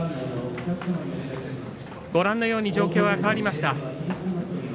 ご覧のように状況が変わりました。